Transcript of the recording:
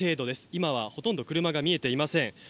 今はほとんど車が見えていません。